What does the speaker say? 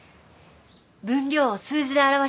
分量を数字で表し